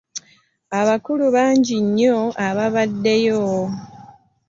Abakulu bangi nnyo abaabaddeyo.